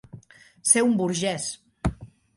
Ser un burgès.